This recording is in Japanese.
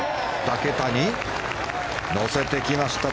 ２桁に乗せてきました。